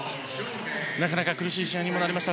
なかなか苦しい試合にもなりました。